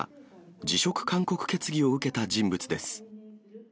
辞職勧告決議を受けた人物です。